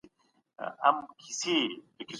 د ښه راتلونکي له پاره هڅه وکړئ.